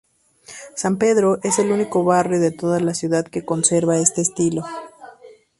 San Pedro es el único barrio de toda la ciudad que conserva este estilo.